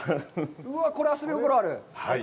うわあ、これは遊び心ある。